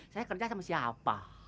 saya kerja sama siapa